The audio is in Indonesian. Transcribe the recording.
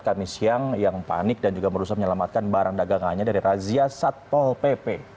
kami siang yang panik dan juga merusak menyelamatkan barang dagangannya dari razia satpol pp